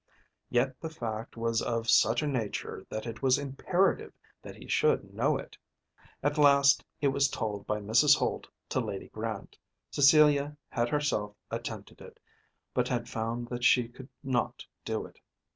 Yet the fact was of such a nature that it was imperative that he should know it. At last it was told by Mrs. Holt to Lady Grant. Cecilia had herself attempted it, but had found that she could not do it.